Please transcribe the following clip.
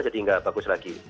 jadi tidak bagus lagi